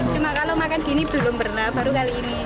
cuma kalau makan gini belum pernah baru kali ini